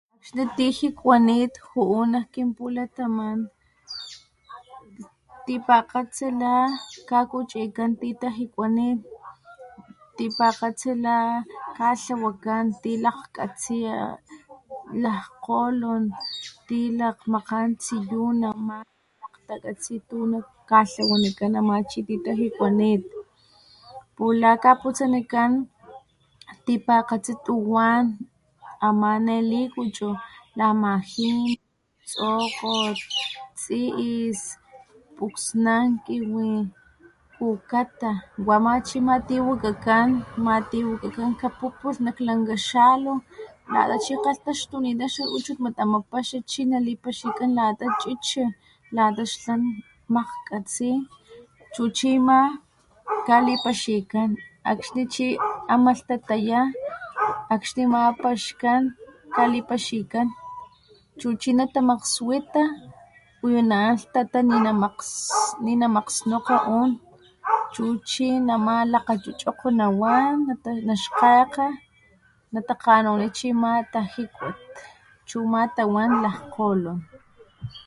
Akxni tijikuanit ju´u nak kinpulataman tipakgatsi la kakuchikan titajikuanit tipakgatsi la katlawakan ti lajkatsiya lajkgolon ti lakgmakan tsiyuna ama lakgtakatsi tu nakatlawanikan ama chi titajikuanit pulh lakaputsanikan tipakgatsi tuwan ama ne likuchu nama ginak, tsokgot, tsi'is, puksnankiwi, kukata wama chi matiwakakan matiwakakan kapupulh nak lanka xalu lata chi kgalhtaxtunita xa chuchut mat ama paxa chi nalipaxikan lata chi'chi lata xla majkatsi chu chima kalipaxikan akxni chi amalhtataya akxni ama paxkan kalipaxikan chu chi natamakgswita uyu na'an lhtata ninamakgsnokga un chu chi nama lakgachuchokgo nawan naxkgakga natakganuni chima tajikuat chuma tawan lajkgolon.